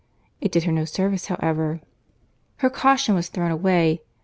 It did her no service however. Her caution was thrown away.